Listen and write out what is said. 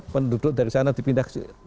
penduduk dari sana dipindah ke